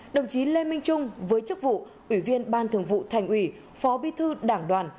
đồng chí lê minh trung với chức vụ ủy viên ban thường vụ thành ủy phó bí thư đảng đoàn